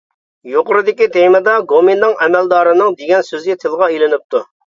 يۇقىرىدىكى تېمىدا، گومىنداڭ ئەمەلدارىنىڭ دېگەن سۆزى تىلغا ئېلىنىپتۇ.